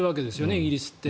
イギリスって。